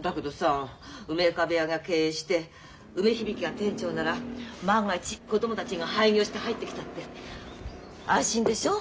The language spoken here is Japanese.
だけどさ梅若部屋が経営して梅響が店長なら万が一子供たちが廃業して入ってきたって安心でしょう？